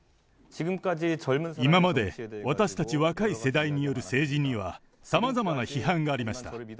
今まで私たち若い世代による政治にはさまざまな批判がありました。